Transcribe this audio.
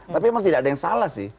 tapi memang tidak ada yang salah sih